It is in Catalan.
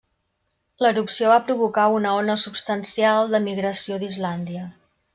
L'erupció va provocar una ona substancial d'emigració d'Islàndia.